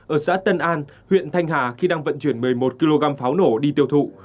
ở xã tân an huyện thanh hà khi đang vận chuyển một mươi một kg pháo nổ đi tiêu thụ